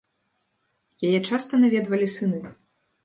Яе часта наведвалі сыны.